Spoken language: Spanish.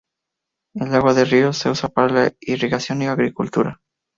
El agua del río se usa para la irrigación y la agricultura.